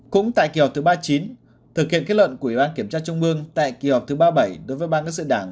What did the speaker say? cũng tại kỷ hợp thứ ba mươi chín thực hiện kết luận của ủy ban kiểm tra trung ương tại kỷ hợp thứ ba mươi bảy đối với ban các sự đảng